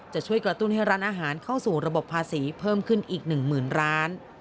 จะช่วยกระตุ้นให้ร้านอาหารเข้าสู่ระบบภาษีเพิ่มขึ้นอีก๑๐๐๐ร้าน